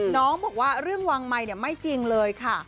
น้องบอกว่าเรื่องวางไมค์ไม่จริงเลยค่ะ